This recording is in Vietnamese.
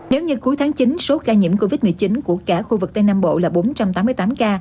nếu như cuối tháng chín số ca nhiễm covid một mươi chín của cả khu vực tây nam bộ là bốn trăm tám mươi tám ca